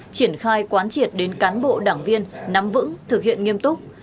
triển khai quán triệt đến cán bộ đảng viên nắm vững thực hiện nghiêm túc